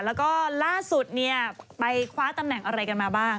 แล้วก็ล่าสุดเนี่ยไปคว้าตำแหน่งอะไรกันมาบ้าง